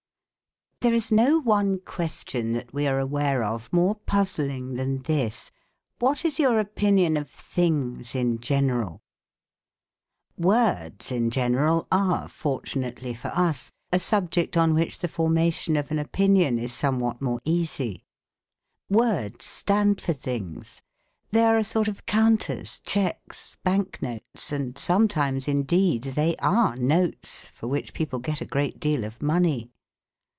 There is no one question that we are aware of more puzzling than this, " What is your opinion of things in general ?" Words in general are, fortunately for us, a subject on which the formation of an opinion is somewhat more easy. Words stand for things : they are a sort of counters, checks, bank notes, and some times, indeed, they are notes for which people get a great deal of money.